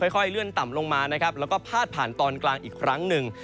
ค่อยเลื่อนต่ำลงมานะครับแล้วก็พาดผ่านตอนกลางอีกครั้งหนึ่ง